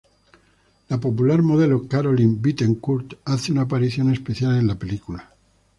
La popular modelo Caroline Bittencourt hace una aparición especial en la película.